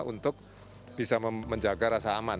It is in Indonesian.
untuk bisa menjaga rasa aman